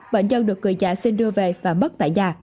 bệnh nhân được người già xin đưa về và mất tại nhà